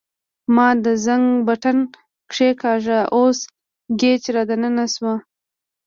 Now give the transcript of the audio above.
ما د زنګ بټن کښېکاږه او مس ګېج را دننه شوه.